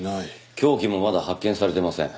凶器もまだ発見されてません。